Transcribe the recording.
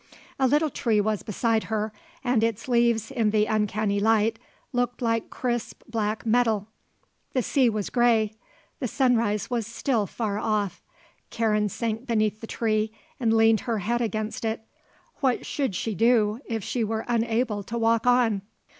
A little tree was beside her and its leaves in the uncanny light looked like crisp black metal. The sea was grey. The sunrise was still far off. Karen sank beneath the tree and leaned her head against it. What should she do if she were unable to walk on?